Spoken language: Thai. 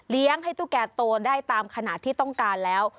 ให้ตุ๊กแก่โตได้ตามขนาดที่ต้องการแล้ว